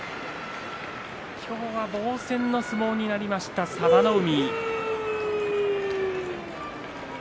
今日は防戦の相撲になりました佐田の海。